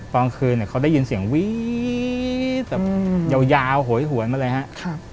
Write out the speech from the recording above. ตอนคืนเขาได้ยินเสียงวี๊ดยาวโหยหวนมาเลยฮะ